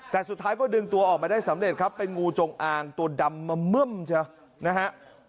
แต่สุดท้ายก็ดึงตัวออกมาได้สำเร็จครับเป็นงูจงอางตัวดำมาเมื่อมใช่ไหม